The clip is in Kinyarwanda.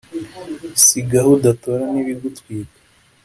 si gaho udatora n'ibigutwika